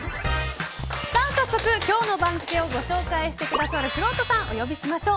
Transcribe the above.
早速今日の番付をご紹介してくださるくろうとさん、お呼びしましょう。